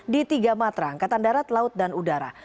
di tiga matra angkatan darat laut dan udara